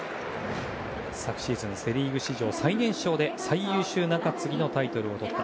昨シーズンセ・リーグ史上最年少で最優秀中継ぎのタイトルをとった。